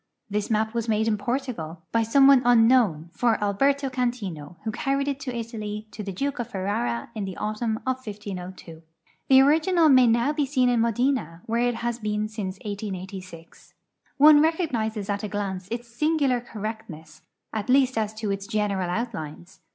This map was made in Portugal, by some one unknown, for Allierto Cantino, who carried it to Italy to the Duke of Ferrara in the autumn of 1502. The original may now be seen in Modena, where it has been since 1880. One recognizes at a glance its singular correct ness, at least as to its general outlines.